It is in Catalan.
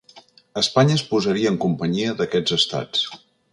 Espanya es posaria en companyia d’aquests estats.